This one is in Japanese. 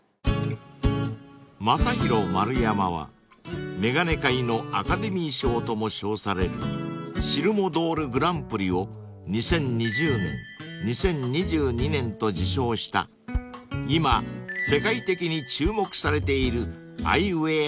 ［マサヒロマルヤマは眼鏡界のアカデミー賞とも称されるシルモドールグランプリを２０２０年２０２２年と受賞した今世界的に注目されているアイウエアブランド］